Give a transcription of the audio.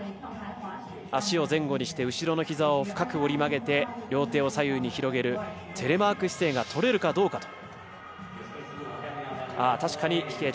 足を前後にして後ろのひざを深く折り曲げて両手を左右に広げるテレマーク姿勢が取れるかどうか。